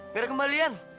gak ada kembalian